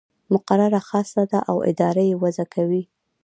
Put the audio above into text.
مقرره خاصه ده او اداره یې وضع کوي.